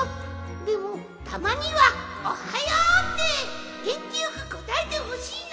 でもたまには「おはよ」ってげんきよくこたえてほしいな！